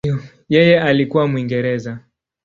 Yeye alikuwa Mwingereza.